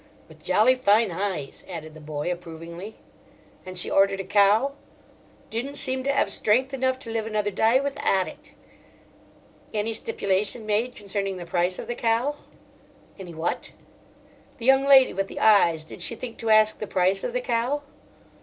"With jolly fine eyes," added the boy approvingly. "And she ordered a cow?" "Didn't seem to 'ave strength enough to live another dy withaht it." "Any stipulation made concerning the price of the cow?" "Any what?" "The young lady with the eyes—did she think to ask the price of the cow?"